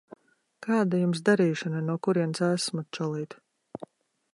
Kāda Jums darīšana no kurienes esmu, čalīt?